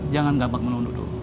jangan gampang menunduk dulu